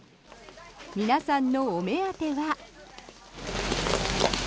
皆さんのお目当ては。